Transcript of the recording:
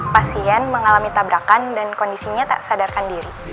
pasien mengalami tabrakan dan kondisinya tak sadarkan diri